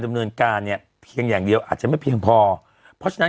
ดำเนินการเนี่ยเพียงอย่างเดียวอาจจะไม่เพียงพอเพราะฉะนั้น